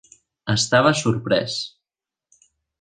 Estava sorprès.